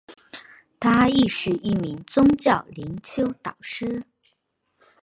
她亦是一名宗教灵修导师。